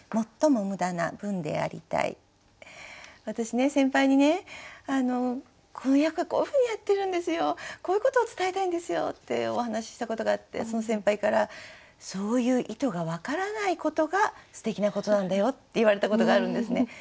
私先輩にねこの役こういうふうにやってるんですよこういうことを伝えたいんですよってお話ししたことがあってその先輩からそういう意図が分からないことがすてきなことなんだよって言われたことがあるんですね。